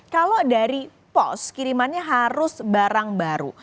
kalau dari pos kirimannya harus barang baru